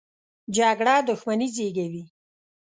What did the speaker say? جګړه دښمني زېږوي